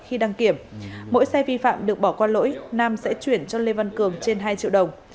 khi đăng kiểm mỗi xe vi phạm được bỏ qua lỗi nam sẽ chuyển cho lê văn cường trên hai triệu đồng